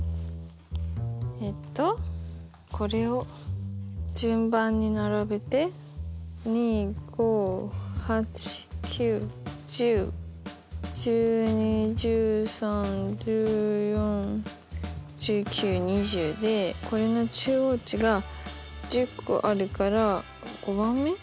えっとこれを順番に並べて２５８９１０１２１３１４１９２０でこれの中央値が１０個あるから５番目？